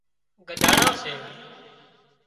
گڌاڙان سي